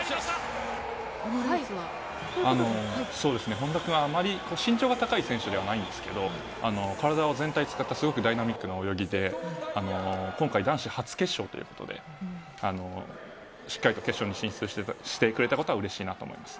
本多君はあまり身長が高い選手じゃないんですけど、体を全体使って、ダイナミックな泳ぎで、今回、男子初決勝ということで、しっかりと決勝に進出してくれたことはうれしいなと思います。